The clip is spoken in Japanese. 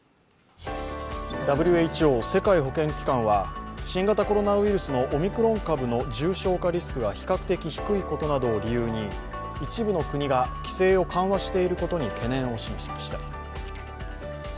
ＷＨＯ＝世界保健機関は新型コロナウイルスのオミクロン株の重症化リスクが比較的低いことなどを理由に一部の国が規制を緩和していることに懸念を示しました。